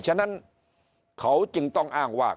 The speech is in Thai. ฉะนั้นเขาจึงต้องอ้างว่า